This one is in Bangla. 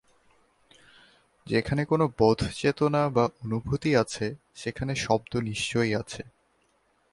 যেখানে কোন বোধ চেতনা বা অনুভূতি আছে, সেখানে শব্দ নিশ্চয়ই আছে।